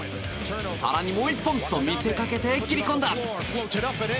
更にもう１本と見せかけて切り込んだ！